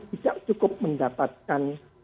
tidak cukup mendapatkan